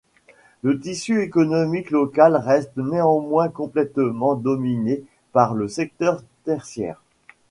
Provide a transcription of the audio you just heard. Le tissu économique local reste néanmoins complètement dominé par le secteur tertiaire.